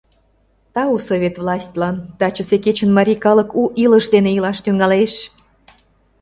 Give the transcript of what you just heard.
Тау Совет властьлан, тачысе кечын марий калык у илыш дене илаш тӱҥалеш.